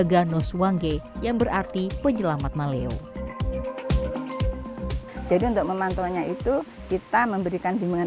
ganos wange yang berarti penyelamat maleo jadi untuk memantuanya itu kita memberikan bingungan